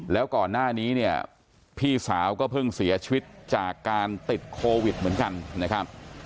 แล้วก่อนหน้านี้เนี่ยพี่สาวก็เพิ่งเสียชีวิตจากการติดโควิดเหมือนกันนะครับ